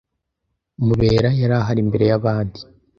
Mubera yari ahari mbere yabandi.